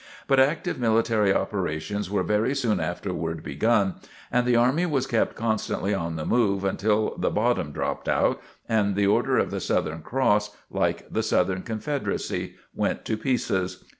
But active military operations were very soon afterward begun, and the army was kept constantly on the move until the "bottom dropped out," and the "Order of the Southern Cross" like the Southern Confederacy went to pieces.